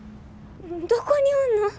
どこにおんの？